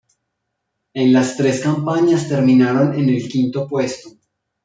En las tres campañas, terminaron en el quinto puesto.